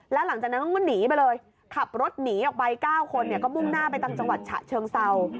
แล้วหลังจากนั้นมันหนีไปเลยขับรถหนีออกไป๙คนเนี่ยก็มุ่งหน้าไปตรงจังหวัดเชิงเซา